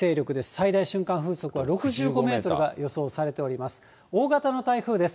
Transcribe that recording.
最大瞬間風速は６５メートルが予想されております。